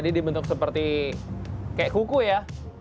ini dibentuk seperti kayak kuku ya